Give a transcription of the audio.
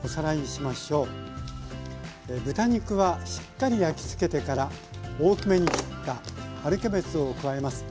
豚肉はしっかり焼きつけてから大きめに切った春キャベツを加えます。